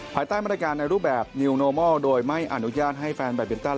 ภายใต้รายการในรูปแบบโดยไม่อนุญาตให้แฟนแบตเบนตัน